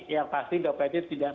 yang pasti dopedir tidak